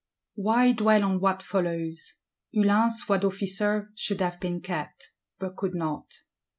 Why dwell on what follows? Hulin's foi d'officier should have been kept, but could not.